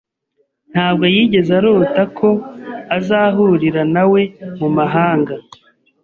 Ntabwo yigeze arota ko azahurira nawe mumahanga.